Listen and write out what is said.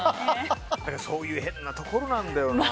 そういう変なところなんだよな。